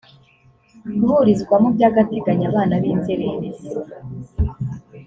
guhurizwamo by agateganyo abana b inzererezi